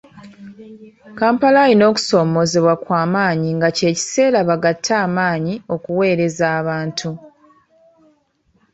Kampala alina okusoomoozebwa okw’amaanyi nga kye kiseera bagatte amaanyi okuweereza abantu.